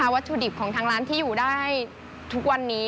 วัตถุดิบของทางร้านที่อยู่ได้ทุกวันนี้